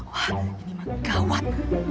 wah ini mah gawat